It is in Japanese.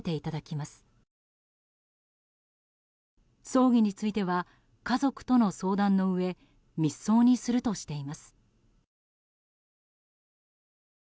葬儀については家族との相談のうえ密葬にするとしています。